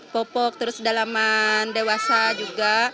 popok terus dalaman dewasa juga